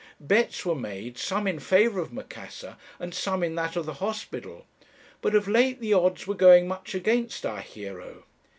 Bets were made, some in favour of Macassar, and some in that of the hospital; but of late the odds were going much against our hero.